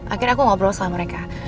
akhirnya aku ngobrol sama mereka